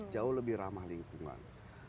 jauh lebih ramah lingkungan